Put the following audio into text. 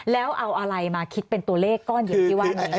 แล้วเอาอะไรมาคิดเป็นตัวเลขก้อนเดียวที่ว่านี้